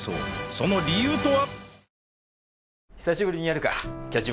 その理由とは？